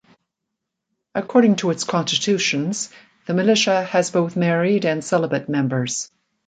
According to its constitutions, the Militia has both married and celibate members.